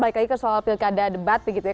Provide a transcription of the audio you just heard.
balik lagi ke soal pilkada debat